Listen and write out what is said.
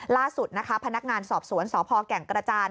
ล่าสุดนะคะพนักงานสอบสวนสพแก่งกระจาน